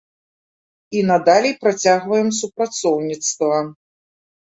І надалей працягваем супрацоўніцтва.